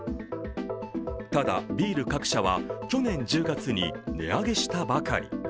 ただ、ビール各社は去年１０月に値上げしたばかり。